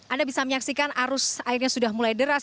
anda bisa menyaksikan arus airnya sudah mulai deras